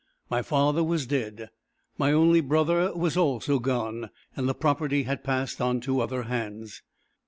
My father was dead. My only brother was also gone, and the property had passed into other hands.